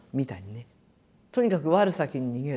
とにかく我先に逃げる。